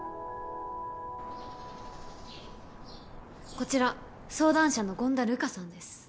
こちら相談者の権田瑠華さんです。